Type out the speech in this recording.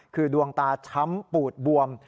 คือดวงตาช้ำกล่ามปูดบวม